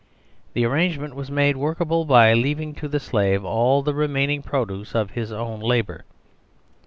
The arrangement was made workable by leaving to the Slave all the remaining produce of his own labour.